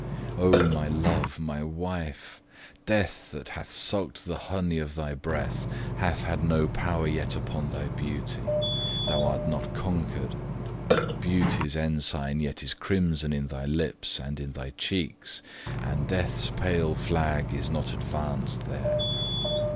...... O, my love! my wife! Death that hath suck'd the honey of thy breath, Hath had no power yet upon thy beauty: Thou art not conquer'd; beauty's ensign yet Is crimson in thy lips, and in thy cheeks, And Death's pale flag is not advanced there.